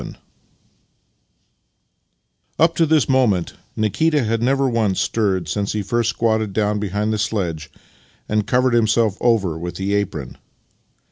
VII Up to this moment Nikita had never once stirred since he first squatted down behind the sledge and covered himself over with the apron.